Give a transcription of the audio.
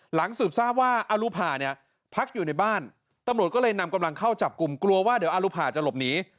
หลังสืบทราบว่าอรุภาเนี่ยพักอยู่ในบ้านตำรวจก็เลยนำกำลังเข้าจับกลุ่มกลัวว่าเดี๋ยวอารุภาจะหลบหนี